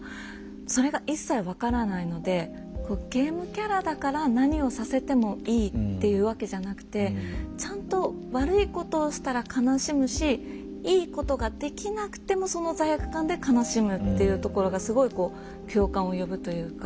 それが一切分からないので「ゲームキャラだから何をさせてもいい」っていうわけじゃなくてちゃんと悪いことをしたら悲しむしいいことができなくてもその罪悪感で悲しむっていうところがすごいこう共感を呼ぶというか。